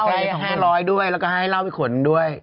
ใช่๕๐๐ด้วยแล้วก็ให้เหล้าไปขนด้วย